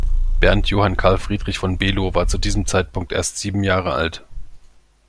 Bernd Johann Carl Friedrich von Below war zu dem Zeitpunkt erst sieben Jahre alt.